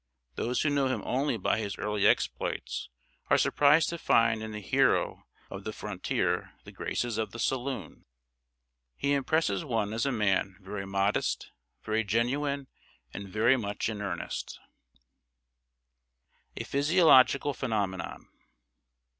Those who know him only by his early exploits, are surprised to find in the hero of the frontier the graces of the saloon. He impresses one as a man very modest, very genuine, and very much in earnest. [Sidenote: A PHYSIOLOGICAL PHENOMENON.